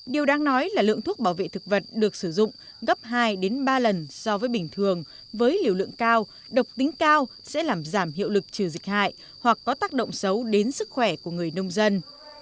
điều đáng nói là lượng thuốc bảo vệ thực vật được sử dụng gấp hai ba lần so với bình thường với liều lượng cao độc tính cao sẽ làm giảm hiệu lực trừ dịch hại hoặc có tác động xấu đến sức khỏe của người nông dân